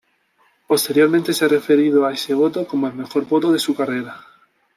Posteriormente, se ha referido a ese voto como el mejor voto de su carrera.